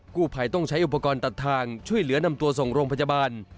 ผู้ภัยต้องใช้อุปกรณ์ตัดทางช่วยเหลือนำตัวส่งโรงพยาบาล